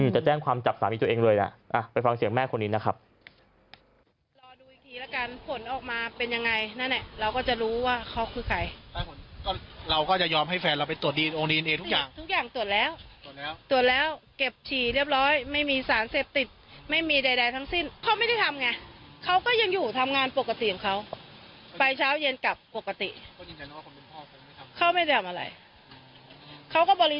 จะแจ้งความจับสามีตัวเองเลยแหละไปฟังเสียงแม่คนนี้นะครับ